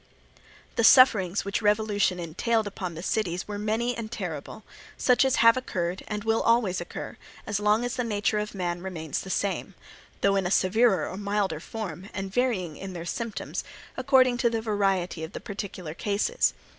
The sufferings which revolution entailed upon the cities were many and terrible, such as have occurred and always will occur, as long as the nature of mankind remains the same; though in a severer or milder form, and varying in their symptoms, according to the variety of the particular cases.